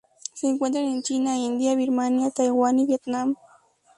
Se encuentran en China, India, Birmania, Taiwán y Vietnam.